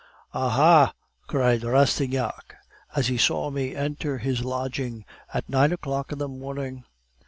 "'Ah, ha!' cried Rastignac, as he saw me enter his lodging at nine o'clock in the morning.